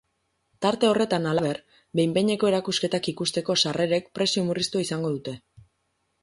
Tarte horretan, halaber, behin-behineko erakusketak ikusteko sarrerek prezio murriztua izango dute.